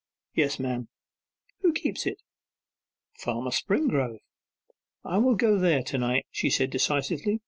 'Yes, ma'am.' 'Who keeps it?' 'Farmer Springrove.' 'I will go there to night,' she said decisively.